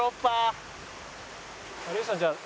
有吉さんじゃあ。